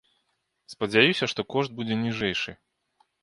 Спадзяюся, што кошт будзе ніжэйшы.